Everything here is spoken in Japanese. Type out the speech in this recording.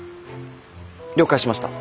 了解しました。